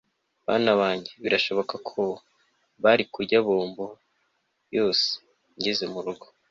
bana banjye birashoboka ko bari kurya bombo yose ngeze murugo